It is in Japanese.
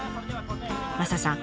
マサさん